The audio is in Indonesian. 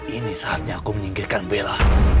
ini saatnya aku menyingkirkan bella